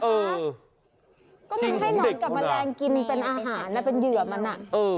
ก็ต้องให้นอนกับแมลงกินเป็นอาหารนะเป็นเหยื่อมันอ่ะ